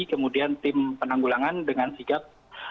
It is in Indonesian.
kemudian tim penanggulangan dengan sigap